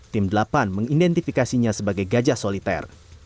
tim delapan mengidentifikasinya sebagai gajah soliter